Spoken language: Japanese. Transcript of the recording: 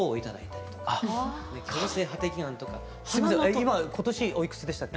今今年おいくつでしたっけ？